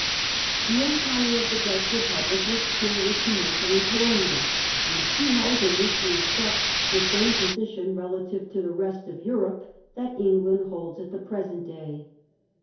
The empire of the Dutch Republic was purely com mercial and colonial, and she held in this respect the Naval and same position relatively to the rest of Europe commercial that England holds at the present day.